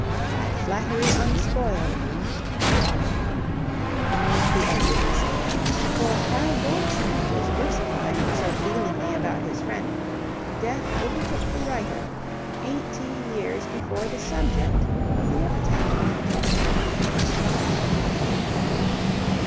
By flattery unspoiled ... The end is missing, for while Goldsmith was versifying so feelingly about his friend, death overtook the writer, eighteen years before the subject of the epitaph.